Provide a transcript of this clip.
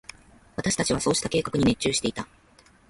私達はそうした計画に熱中していた。